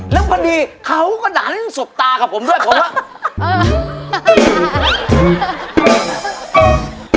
แล้วพอดีเขาก็ดันสบตากับผมด้วยผมว่าเออ